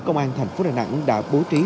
công an thành phố đà nẵng đã bố trí